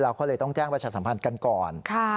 เขาเลยต้องแจ้งประชาสัมพันธ์กันก่อน